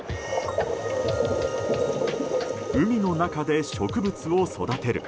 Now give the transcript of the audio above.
海の中で植物を育てる。